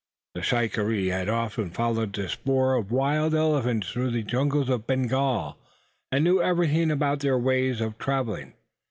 The shikaree had often followed the spoor of wild elephants through the jungles of Bengal, and knew everything about their way of travelling.